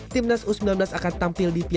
timnas u sembilan belas akan tampil di piala